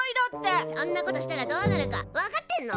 そんなことしたらどうなるかわかってんの？